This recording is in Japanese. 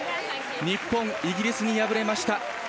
日本、イギリスに敗れました。